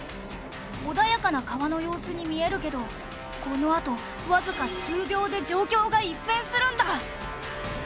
穏やかな川の様子に見えるけどこのあとわずか数秒で状況が一変するんだ。